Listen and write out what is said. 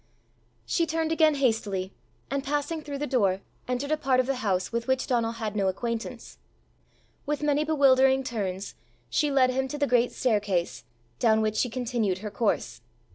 She turned again hastily, and passing through the door, entered a part of the house with which Donal had no acquaintance. With many bewildering turns, she led him to the great staircase, down which she continued her course.